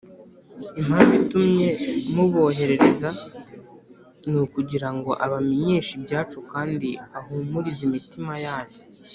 Impamvu itumye muboherereza ni ukugira ngo abamenyeshe ibyacu kandi ahumurize imitima yanyu